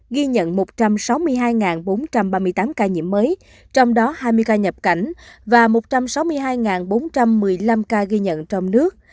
ghi nhận một trăm sáu mươi hai bốn trăm ba mươi tám ca nhiễm mới trong đó hai mươi ca nhập cảnh và một trăm sáu mươi hai bốn trăm một mươi năm ca ghi nhận trong nước